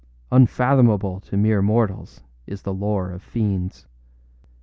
Unfathomable to mere mortals is the lore of fiends.